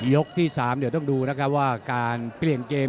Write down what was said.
ที่๓เดี๋ยวต้องดูนะครับว่าการเปลี่ยนเกม